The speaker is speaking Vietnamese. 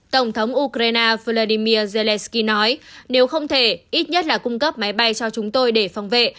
tổng thống ukraine volodymyr zelensky nói nếu không thể ít nhất là cung cấp máy bay cho chúng tôi để phòng vệ